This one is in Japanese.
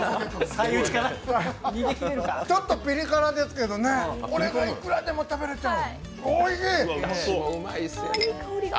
ちょっとピリ辛ですけどね、これがいくらでも食べられちゃう。